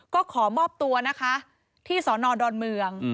ก็ขอมอบตัวนะคะที่สอนอดอนเมือง